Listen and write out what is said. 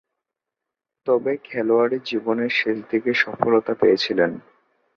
তবে খেলোয়াড়ী জীবনের শেষদিকে সফলতা পেয়েছিলেন।